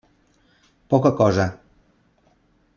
Poca cosa.